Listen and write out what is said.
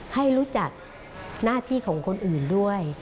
ให้รู้จักหน้าที่ของคนอื่นด้วย